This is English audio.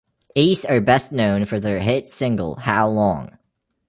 Ace are best known for their hit single How Long?